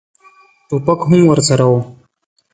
ټوپک هم ورسره و.